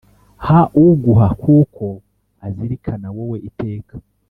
ha uguha kuko aazirikana wowe iteka